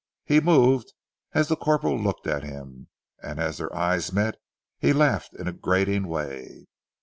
He moved as the corporal looked at him, and as their eyes met, he laughed in a grating way.